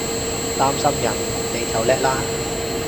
擔心人你就叻喇！